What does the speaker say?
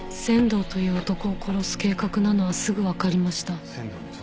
仙道という男を殺す計画なのはすぐわかりました。